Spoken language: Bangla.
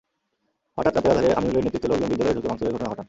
হঠাৎ রাতের আঁধারে আমিনুলের নেতৃত্বে লোকজন বিদ্যালয়ে ঢুকে ভাঙচুরের ঘটনা ঘটান।